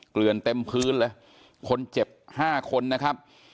เกลือนเต็มพื้นเลยคนเจ็บห้าคนนะครับ